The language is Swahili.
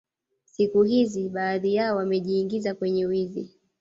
Siku hzi baadhi yao wamejiingiza kwenye wizi